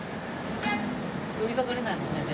寄りかかれないもんね全然。